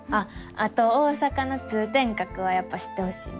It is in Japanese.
あと大阪の通天閣はやっぱ知ってほしいな。